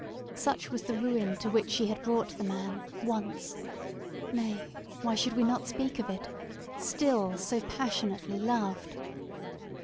Such was the ruin to which she had brought the man, once—nay, why should we not speak it?—still so passionately loved!